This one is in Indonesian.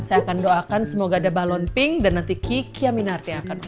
saya akan doakan semoga ada balon pink dan nanti kikia minarti akan